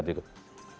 bapak cedab yuk